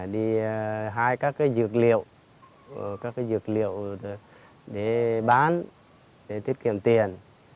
đi hai các dược liệu các dược liệu để bán để tiết kiệm tiền